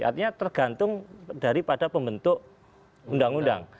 artinya tergantung daripada pembentuk undang undang